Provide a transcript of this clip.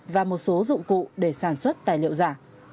và một số dụng cụ để sản xuất tài liệu giả